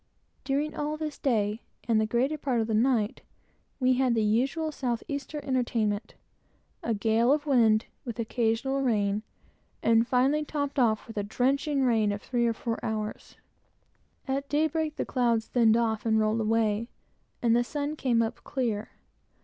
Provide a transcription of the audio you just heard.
During all this day, and the greater part of the night, we had the usual south easter entertainment, a gale of wind, variegated and finally topped off with a drenching rain of three or four hours. At daybreak, the clouds thinned off and rolled away, and the sun came up clear.